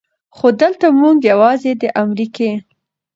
خو دلته مونږ يواځې د امريکې